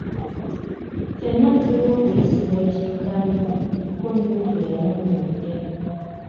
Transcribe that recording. "Ffenna tulina okuyisibwa ekyenkanyi,” Nkunyingi bwe yalambuludde.